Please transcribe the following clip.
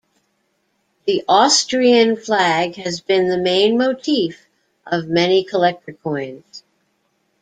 The Austrian flag has been the main motif of many collector coins.